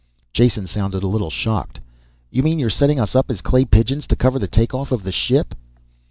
Jason sounded a little shocked. "You mean you're setting us up as clay pigeons to cover the take off of the ship."